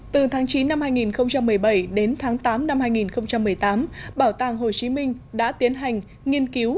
từ tháng chín năm hai nghìn một mươi bảy đến tháng tám năm hai nghìn một mươi tám bảo tàng hồ chí minh đã tiến hành nghiên cứu